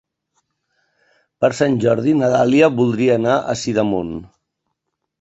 Per Sant Jordi na Dàlia voldria anar a Sidamon.